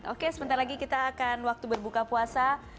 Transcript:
oke sebentar lagi kita akan waktu berbuka puasa